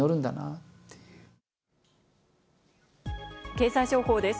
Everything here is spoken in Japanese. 経済情報です。